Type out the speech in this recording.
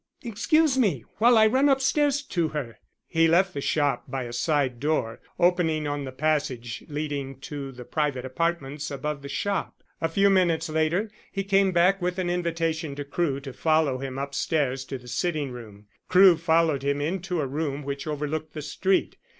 Excuse me while I run upstairs to her." He left the shop by a side door opening on the passage leading to the private apartments above the shop. A few minutes later he came back with an invitation to Crewe to follow him upstairs to the sitting room. Crewe followed him into a room which overlooked the street.